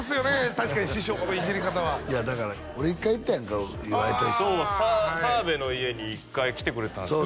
確かに師匠のいじり方はいやだから俺１回行ったやんか岩井とそう澤部の家に１回来てくれたんですよね